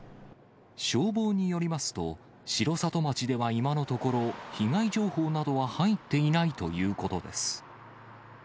消防によりますと、城里町では今のところ、被害情報などは入っていないということです。